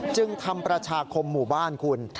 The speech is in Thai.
จึงทำประชาคมหมู่บ้านคุณ